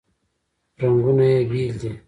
رنګونه یې بیل دي.